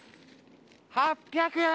８００円！